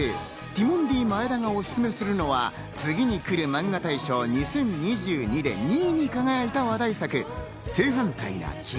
ティモンディ前田がおすすめするのは、次にくるマンガ大賞２０２２で２位に輝いた話題作、『正反対な君